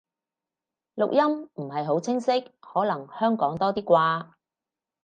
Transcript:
錄音唔係好清晰，可能香港多啲啩